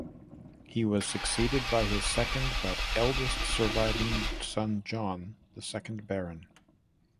He was succeeded by his second but eldest surviving son John, the second Baron.